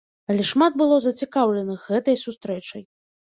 Але шмат было зацікаўленых гэтай сустрэчай.